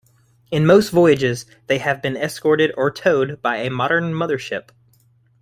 In most voyages they have been escorted, or towed, by a modern mother ship.